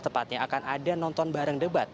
tepatnya akan ada nonton bareng debat